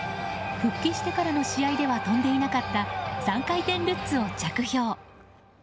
復帰してからの試合では跳んでいなかった３回転ルッツを着氷。